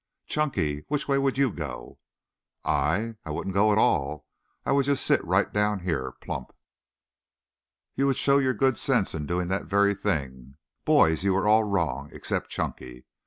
"Chunky, which way would you go?" "I? I wouldn't go at all. I would just sit right down here, plump." "You would show your good sense in doing that very thing. Boys, you are all wrong, except Chunky.